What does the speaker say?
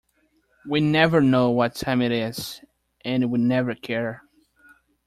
We never know what time it is, and we never care.